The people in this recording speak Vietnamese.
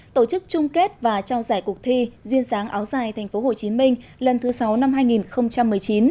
tổ chức chung kết và trao giải cuộc thi duyên dáng áo dài tp hcm lần thứ sáu năm hai nghìn một mươi chín